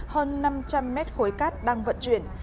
hơn năm trăm linh mét khối cát đang vận chuyển